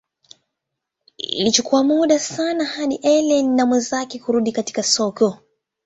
Ilichukua muda sana hadi Ellen na mwenzake kurudi tena katika soko.